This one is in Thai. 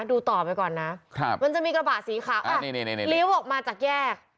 ดูต่อไปก่อนนะครับมันจะมีกระบะสีขาวอ่ะนี่นี่นี่นี่เลี้ยวออกมาจากแยก